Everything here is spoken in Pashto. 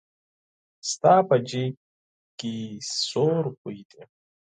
ستا په جېب کې څو روپۍ دي؟